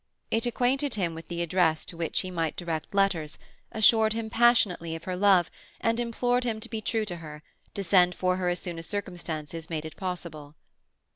It acquainted him with the address to which he might direct letters, assured him passionately of her love, and implored him to be true to her, to send for her as soon as circumstances made it possible.